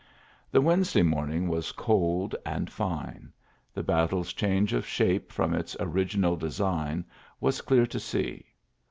The Wednesday morning was cold and fine. The battle's change of shape from its original design was clear to see.